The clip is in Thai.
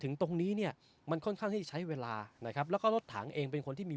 ตรงนี้เนี่ยมันค่อนข้างที่จะใช้เวลานะครับแล้วก็รถถังเองเป็นคนที่มี